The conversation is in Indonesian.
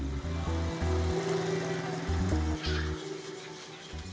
yakni sumatera kalimantan dan sulawesi